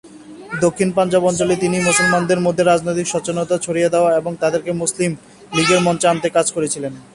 দক্ষিণ পাঞ্জাবের অঞ্চলে তিনি মুসলমানদের মধ্যে রাজনৈতিক সচেতনতা ছড়িয়ে দেওয়ার এবং তাদেরকে মুসলিম লীগের মঞ্চে আনতে কাজ করেছিলেন।